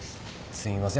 すみません